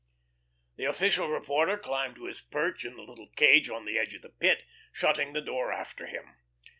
The official reporter climbed to his perch in the little cage on the edge of the Pit, shutting the door after him.